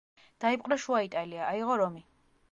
დაიპყრო შუა იტალია, აიღო რომი.